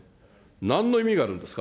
なんの意味があるんですか。